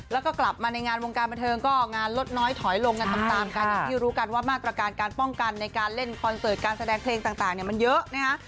แล้วก็กลับมาในงานวงการบันเทิงก็งานลดน้อยถอยลงกันตามกันอย่างที่รู้กันว่ามาตรการการป้องกันในการเล่นคอนเสิร์ตการแสดงเพลงต่างเนี่ยมันเยอะนะคะ